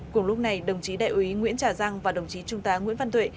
cùng lúc này đồng chí đại úy nguyễn trà giang và đồng chí trung tá nguyễn văn tuệ